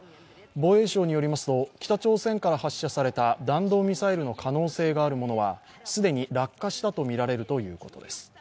防衛省によりますと北朝鮮から発射された弾道ミサイルの可能性のあるものは既に落下したとみられるということです。